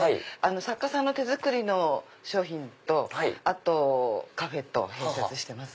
作家さんの手作りの商品とあとカフェと併設してます。